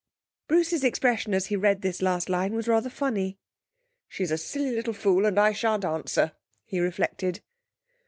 Bruce's expression as he read the last line was rather funny. 'She's a silly little fool, and I shan't answer,' he reflected.